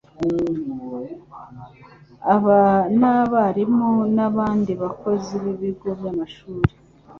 aba n'abarimu n'abandi bakozi b'ibigo by'amashuri